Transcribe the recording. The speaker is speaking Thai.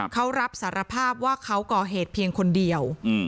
เขารับสารภาพว่าเขาก่อเหตุเพียงคนเดียว